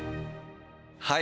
はい。